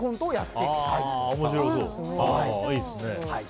いいですね。